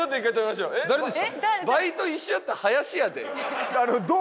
「バイト一緒やった林やで」？